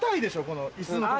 この椅子の。